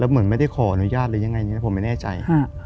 แล้วเหมือนไม่ได้ขออนุญาตหรือยังไงผมไม่แน่ใจ